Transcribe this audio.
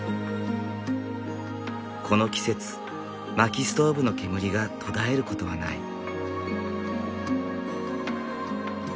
この季節薪ストーブの煙が途絶えることはない。